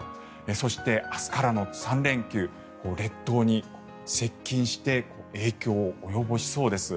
そして明日からの３連休列島に接近して影響を及ぼしそうです。